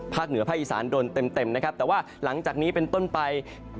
เหนือภาคอีสานโดนเต็มนะครับแต่ว่าหลังจากนี้เป็นต้นไป